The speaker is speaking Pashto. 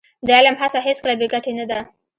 د علم هڅه هېڅکله بې ګټې نه ده.